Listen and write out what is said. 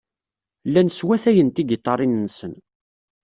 Llan swatayen tigiṭarin-nsen.